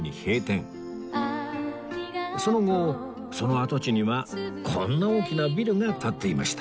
その後その跡地にはこんな大きなビルが立っていました